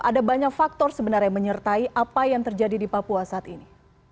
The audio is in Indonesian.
ada banyak faktor sebenarnya menyertai apa yang terjadi di papua saat ini